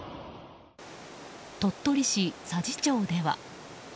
鳥取市佐治町では。